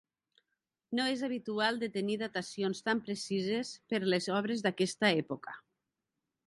No és habitual de tenir datacions tan precises per les obres d'aquesta època.